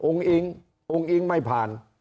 ลุงอิงไม่ผ่าน